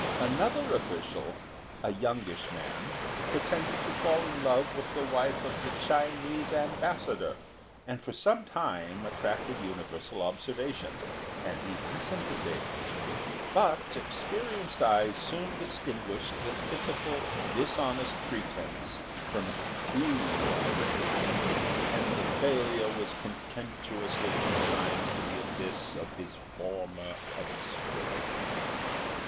Another official, a youngish man, pretended to fall in love with the wife of the Chinese Ambassador, and for some time attracted universal observation, and even sympathy. But experienced eyes soon distinguished the pitiful, dishonest pretence from the true originality, and the failure was contemptuously consigned to the abyss of his former obscurity.